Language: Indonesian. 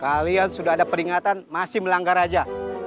kalian sudah ada peringatan masih melanggar aja